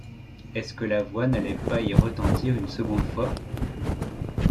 Est-ce que la voix n’allait pas y retentir une seconde fois?